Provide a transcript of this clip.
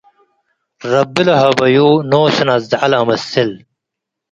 ረቢ ለሀበዩ፣ ኖሱ ነዝዐ ለአመስል።